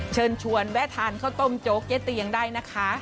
เชิญชวนแวะทานข้าวต้มโจ๊กเจ๊เตียงได้นะคะ